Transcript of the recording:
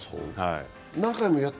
何回もやった？